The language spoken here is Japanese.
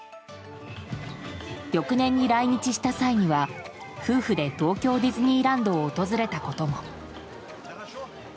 翌年に来日した際には夫婦で東京ディズニーランドを訪れたことも。